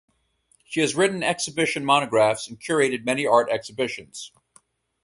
She has written exhibition monographs and curated many art exhibitions.